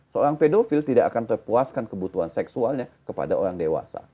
seorang pedofil tidak akan terpuaskan kebutuhan seksualnya kepada orang dewasa